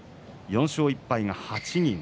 ４勝１敗が８人。